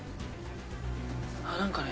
あ何かね。